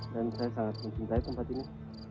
dan saya sangat mencintai tempat ini